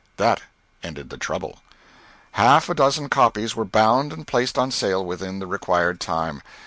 That ended the trouble. Half a dozen copies were bound and placed on sale within the required time.